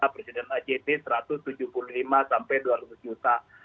presiden act satu ratus tujuh puluh lima sampai dua ratus juta